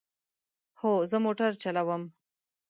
هو، زه موټر چلوم